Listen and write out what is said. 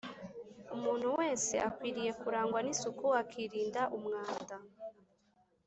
umuntu wese akwiriye kurangwa n’isuku akirinda umwanda